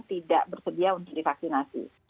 tidak bersedia untuk divaksinasi